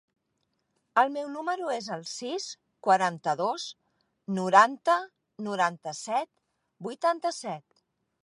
El meu número es el sis, quaranta-dos, noranta, noranta-set, vuitanta-set.